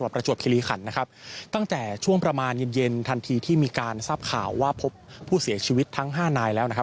ประจวบคิริขันนะครับตั้งแต่ช่วงประมาณเย็นเย็นทันทีที่มีการทราบข่าวว่าพบผู้เสียชีวิตทั้งห้านายแล้วนะครับ